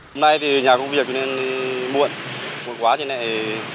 hôm nay thì nhà công việc nên muộn muộn quá thế này